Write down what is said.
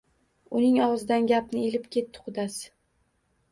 — Uning ogʼzidan gapni ilib ketdi qudasi.